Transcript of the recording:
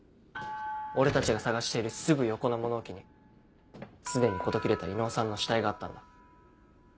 俺たちが捜しているすぐ横の物置に既に事切れた伊能さんの死体があったんだ。